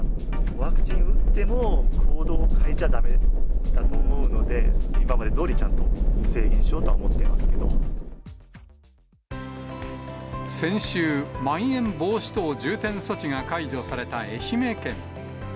ワクチン打っても、行動変えちゃだめだと思うので、今までどおり、ちゃんと制限しよ先週、まん延防止等重点措置が解除された愛媛県。